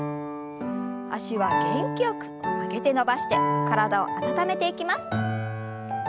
脚は元気よく曲げて伸ばして体を温めていきます。